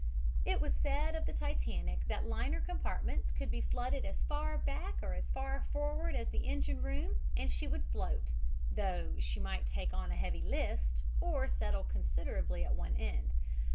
It was said of the Titanic that liner compartments could be flooded as far back or as far forward as the engine room and she would float, though she might take on a heavy list, or settle considerably at one end.